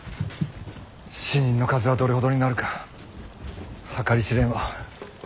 死人の数はどれほどになるか計り知れんわ。